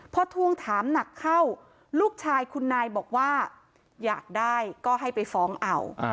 พอทวงถามหนักเข้าลูกชายคุณนายบอกว่าอยากได้ก็ให้ไปฟ้องเอา